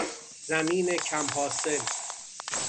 زمین کم حاصل